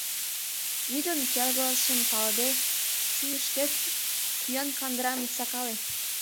Вӱдын келгытшым палыде, шӱйышкет кӱан кандырам ит сакале!